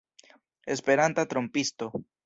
Esperanta trompisto!